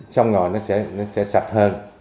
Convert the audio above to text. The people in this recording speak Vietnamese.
xong rồi nó sẽ sạch